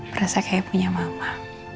berasa kayak punya mama